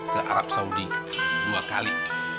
ke arab saudi dua kali